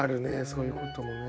そういうこともね。